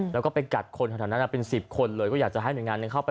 แล้วก็ไปกัดคนแถวนั้นเป็น๑๐คนเลยก็อยากจะให้หน่วยงานเข้าไป